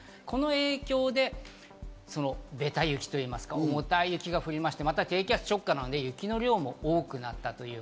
この影響でべた雪といいますか、重たい雪が降りまして、また低気圧直下なので、雪の量も多くなった。